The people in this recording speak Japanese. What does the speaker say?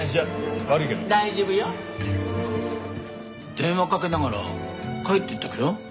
電話かけながら帰っていったけど。